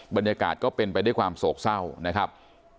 บรรยากาศก็เป็นไปด้วยความโศกเศร้านะครับ